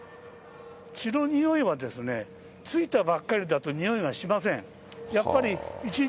血のにおいは、ついたばっかりだと臭いがしません。